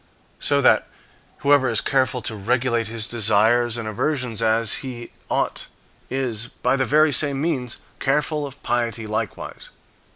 So that, whoever is careful to regulate his desires and aversions as he ought, is, by the very same means, careful of piety likewise.